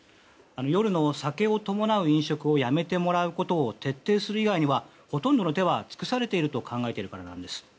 夜の酒を伴う飲食をやめてもらうことを徹底する以外にはほとんどの手は尽くされていると考えているからなんです。